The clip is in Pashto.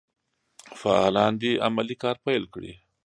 فعالان دي عملي کار پیل کړي.